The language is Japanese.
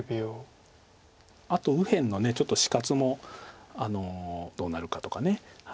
あと右辺のちょっと死活もどうなるかとか。